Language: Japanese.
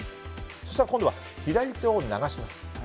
そうしたら今度は左手を流します。